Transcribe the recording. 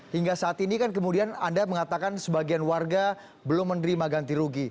hingga saat ini kan kemudian anda mengatakan sebagian warga belum menerima ganti rugi